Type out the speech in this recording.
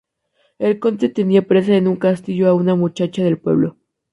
El conde tenía presa en un castillo a una muchacha del pueblo.